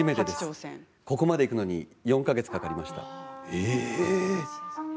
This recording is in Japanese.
ここまでいくのに４か月かかりました。